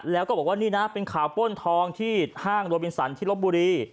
แล้วก็บอกว่านี่นะเป็นข่าวป้นทองที่ห้างโรบินสันที่ลบบุรี